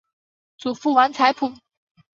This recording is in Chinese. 祖父王才甫。